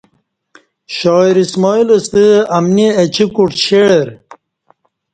شاعر اسماعیل ستہ امنی اہ چی کوٹ شعر